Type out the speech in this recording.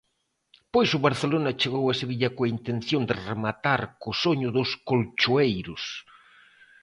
Pois o Barcelona chegou a Sevilla coa intención de rematar co soño dos colchoeiros.